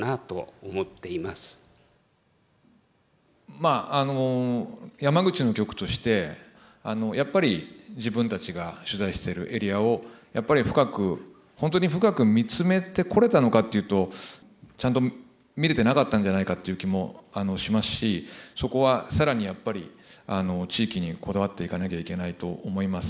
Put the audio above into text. まあ山口の局としてやっぱり自分たちが取材してるエリアをやっぱり深く本当に深く見つめてこれたのかっていうとちゃんと見れてなかったんじゃないかっていう気もしますしそこは更にやっぱり地域にこだわっていかなきゃいけないと思います。